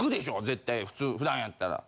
絶対普通普段やったら。